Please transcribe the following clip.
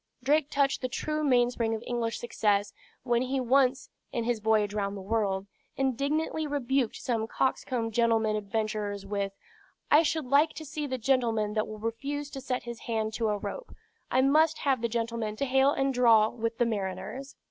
Drake touched the true mainspring of English success when he once (in his voyage round the world) indignantly rebuked some coxcomb gentleman adventurers with, "I should like to see the gentleman that will refuse to set his hand to a rope. I must have the gentlemen to hale and draw with the mariners."